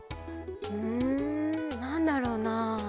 うんなんだろうな？